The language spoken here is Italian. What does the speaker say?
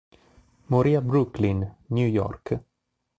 Morì a Brooklyn, New York.